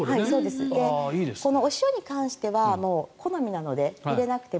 お塩に関しては好みなので、入れなくても。